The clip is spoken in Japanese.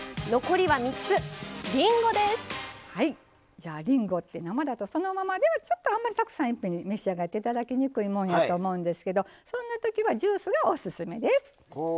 じゃありんごって生だとそのままではちょっとあんまりたくさんいっぺんに召し上がって頂きにくいもんやと思うんですけどそんな時はジュースがオススメです。